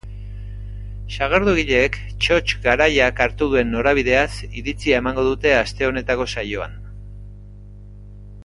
Sagardogileek txotx garaiak hartu duen norabideaz iritzia emango dute aste honetako saioan.